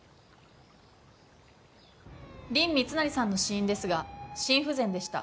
林密成さんの死因ですが心不全でした。